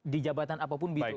di jabatan apapun